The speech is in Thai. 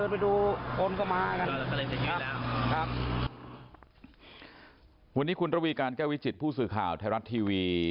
วันนี้คุณระวีการแก้ววิจิตผู้สื่อข่าวไทยรัฐทีวี